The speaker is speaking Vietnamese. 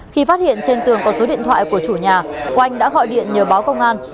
khi phát hiện trên tường có số điện thoại của chủ nhà oanh đã gọi điện nhờ báo công an